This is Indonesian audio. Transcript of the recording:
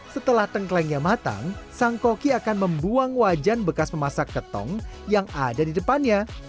setelah tengklengnya matang sang koki akan membuang wajan bekas memasak ketong yang ada di depannya